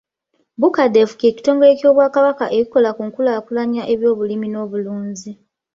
Bucadef kye kitongole ky’Obwakabaka ekikola ku by’okukulaakulanya ebyobulimi n’obulunzi.